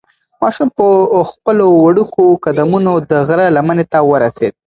ماشوم په خپلو وړوکو قدمونو د غره لمنې ته ورسېد.